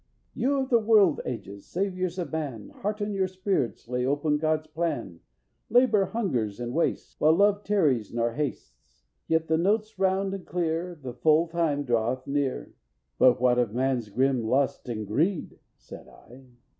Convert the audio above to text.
_You of the world ages, Saviors of man, Hearten your spirits, Lay open God's plan. Labor hungers and wastes While love tarries nor hastes, Yet the note's round and clear, The full time draweth near._ "But what of man's grim lust and greed?" said I.